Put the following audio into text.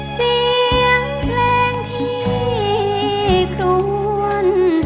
เสียงเพลงที่ครวน